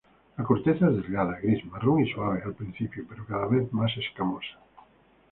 La corteza es delgada, gris-marrón, y suave al principio, pero cada vez más escamosas.